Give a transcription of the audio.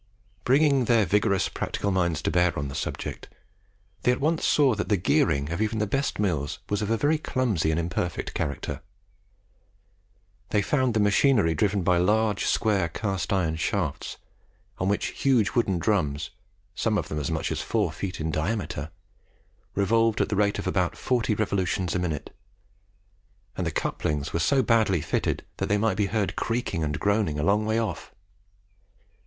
Bringing their vigorous practical minds to bear on the subject, they at once saw that the gearing of even the best mills was of a very clumsy and imperfect character. They found the machinery driven by large square cast iron shafts, on which huge wooden drums, some of them as much as four feet in diameter, revolved at the rate of about forty revolutions a minute; and the couplings were so badly fitted that they might be heard creaking and groaning a long way off.